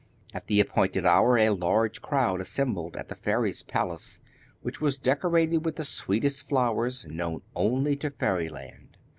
At the appointed hour, a large crowd assembled at the fairy's palace, which was decorated with the sweetest flowers, known only to fairyland.